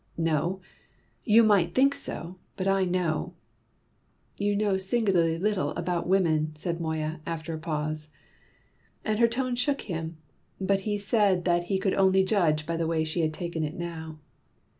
"No; you might think so; but I know." "You know singularly little about women," said Moya after a pause. And her tone shook him. But he said that he could only judge by the way she had taken it now.